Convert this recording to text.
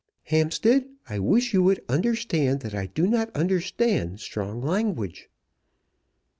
"Hampstead, I wish you would understand that I do not understand strong language."